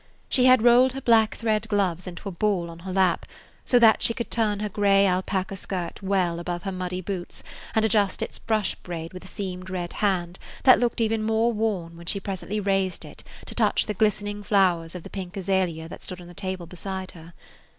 She had rolled her black thread gloves into a ball on her lap, so that she could turn her gray alpaca skirt well [Page 17] above her muddy boots and adjust its brush braid with a seamed red hand that looked even more worn when she presently raised it to touch the glistening flowers of the pink azalea that stood on a table beside her.